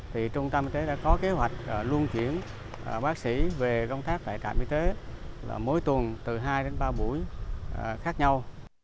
thì trung tâm y tế đã có kế hoạch luôn chuyển bác sĩ về công tác tại trạm y tế là mỗi tuần từ hai đến ba buổi khác nhau